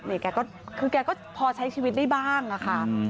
นี่แกก็คือแกก็พอใช้ชีวิตได้บ้างอะค่ะ